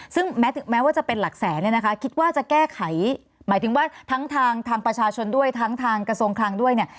ซึ่งแม้ถึงแม้ว่าจะเป็นหลักแสนเนี่ยนะคะคิดว่าจะแก้ไขหมายถึงว่าทั้งทางประชาชนด้วยทั้งทางกระทรวงคลังด้วยเนี่ย